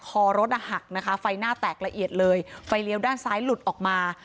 คอรถอ่ะหักนะคะไฟหน้าแตกละเอียดเลยไฟเลี้ยวด้านซ้ายหลุดออกมา